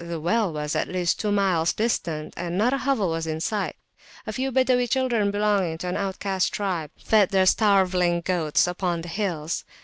The well was at least two miles distant, and not a hovel was in sight; a few Badawi children belonging to an outcast tribe fed their starveling goats upon the hills.